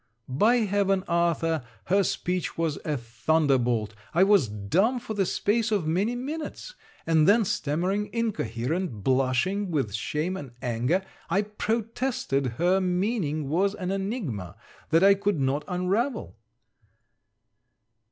By heaven, Arthur, her speech was a thunderbolt! I was dumb for the space of many minutes; and then stammering, incoherent, blushing with shame, and anger, I protested her meaning was an enigma that I could not unravel.